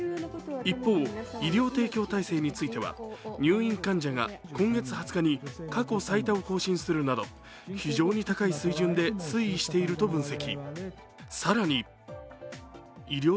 一方、医療提供体制については、入院患者が今月２０日に過去最多を更新するなど非常に高い水準で水位していると分析。